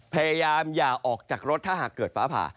พยายามอย่าออกจากรถถ้าเกิดฟ้าผ่า